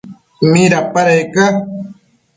¿midapadec ca?